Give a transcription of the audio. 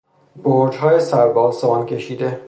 برجهای سر به آسمان کشیده